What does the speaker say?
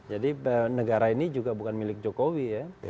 jadi negara ini juga bukan milik jokowi ya